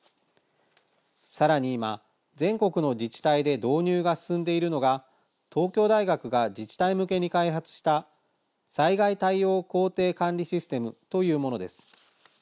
さらに今、全国の自治体で導入が進んでいるのが東京大学が自治体向けに開発した災害対応工程管理システムというものです。